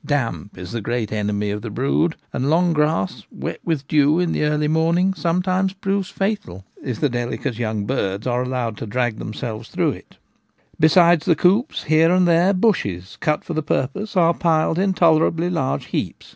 Damp is a great enemy of the brood, and long grass wet with dew in the early morning sometimes proves fatal if the delicate young birds are allowed to drag themselves through it Besides the coops, here and there bushes, cut for the purpose, are piled in tolerably large heaps.